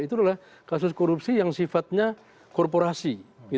itu adalah kasus korupsi yang sifatnya korporasi